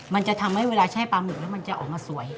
มันจะทำให้เวลาแช่ปลาหมึกแล้วมันจะออกมาสวย